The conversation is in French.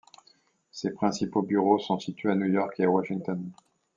Ses principaux bureaux sont situés à New York et à Washington.